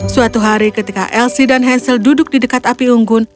suatu hari ketika elsie dan hansel duduk di dekat api unggun